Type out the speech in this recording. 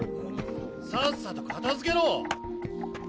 さっさと片付けろ！